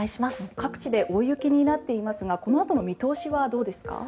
各地で大雪になっていますがこのあとの見通しはどうでしょうか。